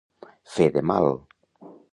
Fer de mal...